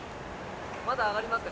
まだ上がりますか？